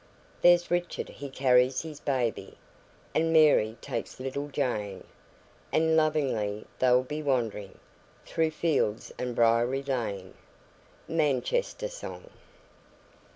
There's Richard he carries his baby, And Mary takes little Jane, And lovingly they'll be wandering Through field and briery lane. MANCHESTER SONG.